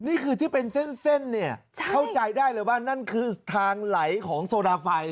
นี้คือที่เป็นเส้นเข้าใจได้เอาไหมคือทางไหลของโซดาไฟ